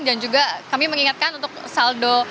dan juga kami mengingatkan untuk saldo